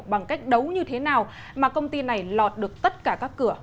bằng cách đấu như thế nào mà công ty này lọt được tất cả các cửa